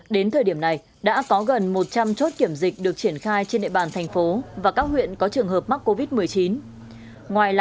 đến thời điểm này đã có gần một trăm linh chốt kiểm dịch được triển khai trên địa bàn thành phố